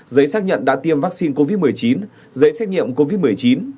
giấy xác nhận đã tiêm vaccine covid một mươi chín giấy xét nghiệm covid một mươi chín